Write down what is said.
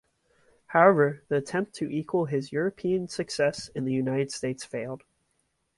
However, the attempt to equal his European success in the United States failed.